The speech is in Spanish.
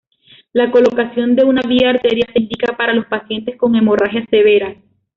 La colocación de una vía arterial se indica para los pacientes con hemorragia severas.